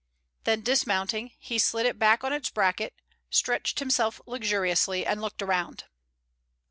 Then dismounting, he slid it back on its bracket; stretched himself luxuriously, and looked around.